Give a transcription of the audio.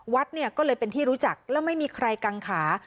วัดเนี่ยก็เลยเป็นที่รู้จักแล้วไม่มีใครกังขา